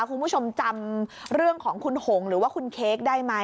คุณผู้ชมจำเรื่องของคุณหงหรือว่าคุณเค้กได้ไหม